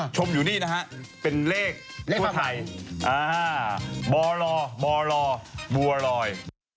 ชมอยู่นี่นะฮะเป็นเลขทั่วไทยบลบลบัวลอย